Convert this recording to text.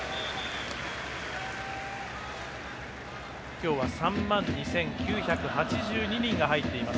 今日は３万２９８２人が入っています